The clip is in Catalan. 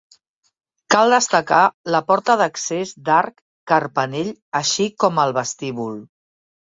Cal destacar la porta d'accés d'arc carpanell així com el vestíbul.